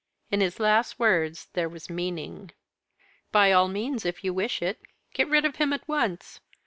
In his last words there was meaning. "By all means, if you wish it. Get rid of him at once.